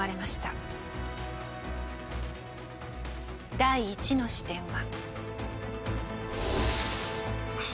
第１の視点は。